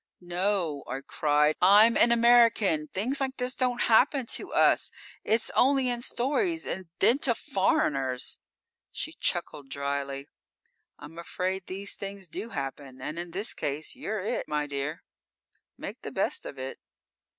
"_ "No!" I cried. "I'm an American! Things like this don't happen to us! It's only in stories, and then to foreigners!" _She chuckled drily. "I'm afraid these things do happen, and in this case, you're it, my dear. Make the best of it."